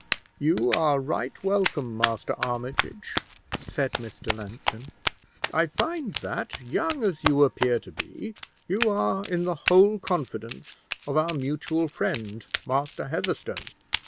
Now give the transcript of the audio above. "You are right welcome, Master Armitage," said Mr. Langton; "I find that, young as you appear to be, you are in the whole confidence of our mutual friend, Master Heatherstone.